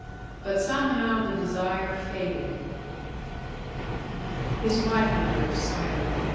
But somehow the desire faded." His wife and I were silent.